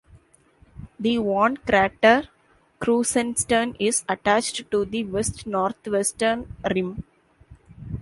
The worn crater Krusenstern is attached to the west-northwestern rim.